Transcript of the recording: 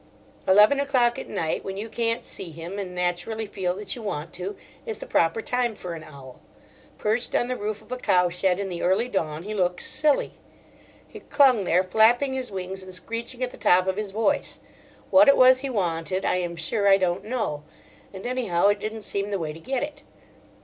Eleven o'clock at night, when you can't see him, and naturally feel that you want to, is the proper time for an owl. Perched on the roof of a cow shed in the early dawn he looks silly. He clung there, flapping his wings and screeching at the top of his voice. What it was he wanted I am sure I don't know; and anyhow it didn't seem the way to get it.